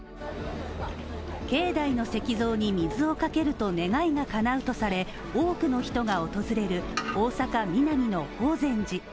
境内の石像に水をかけると願いがかなうとされ多くの人が訪れる大阪ミナミの法善寺。